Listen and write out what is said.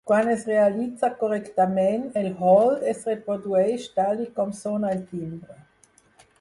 Quan es realitza correctament, el "hold" es reprodueix tal i com sona el timbre.